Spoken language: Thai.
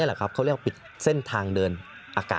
สามารถรู้ได้เลยเหรอคะ